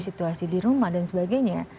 situasi di rumah dan sebagainya